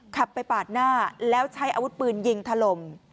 ขับไปปาดหน้าแล้วใช้อาวุธปืนยิงถล่ม